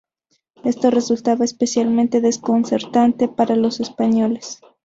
Esto resultaba especialmente desconcertante para los españoles.